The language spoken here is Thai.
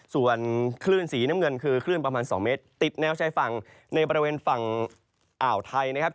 ส่วนคลื่นสีน้ำเงินคือคลื่นประมาณ๒เมตรติดแนวชายฝั่งในบริเวณฝั่งอ่าวไทยนะครับ